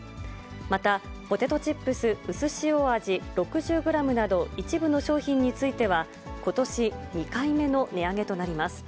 また、ポテトチップスうすしお味６０グラムなど一部の商品についてはことし２回目の値上げとなります。